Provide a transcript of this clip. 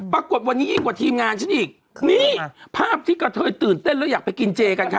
ปรากฏวันนี้ยิ่งกว่าทีมงานฉันอีกนี่ภาพที่กระเทยตื่นเต้นแล้วอยากไปกินเจกันค่ะ